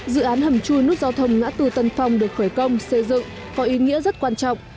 dự án hầm chui nút giao thông ngã tư tân phong được khởi công xây dựng có ý nghĩa rất quan trọng